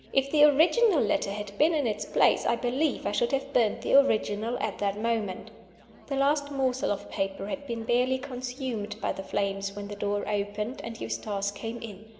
If the original letter had been in its place, I believe I should have burned the original at that moment. The last morsel of paper had been barely consumed by the flames when the door opened, and Eustace came in.